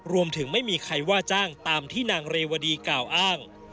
รวมถึงไม่มีใครว่าจ้างตามที่นางเรวดีกล่าวอ้าง